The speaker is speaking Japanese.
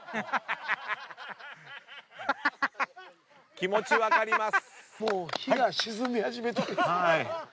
気持ち分かります。